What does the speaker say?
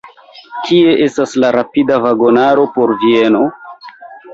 Kie estas la rapida vagonaro por Vieno?